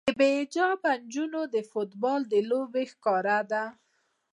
د بې حجابه نجونو د فوټبال لوبه ښکارېده.